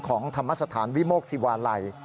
ของธรรมสถานวิโมกศิวาลัย